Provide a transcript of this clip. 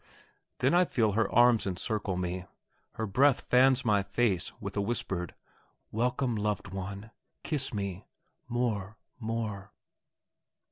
Then I feel her arms encircle me; her breath fans my face with a whispered "Welcome, loved one! Kiss me ... more ... more...."